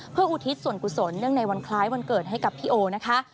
เพื่ออุทิศส่วนกุศลเนื่องในวันคล้ายวันเกิดให้กับพี่โอนะคะ